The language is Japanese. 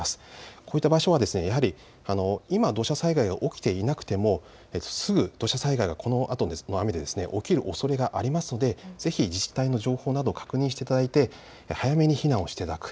こういった場所は今、土砂災害が起きていなくてもすぐ土砂災害が、このあとの雨で起きるおそれがありますのでぜひ自治体の情報などを確認していただいて早めに避難をしていただく。